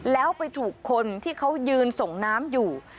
แล้วไปถูกคนที่เขายืนส่งน้ำอยู่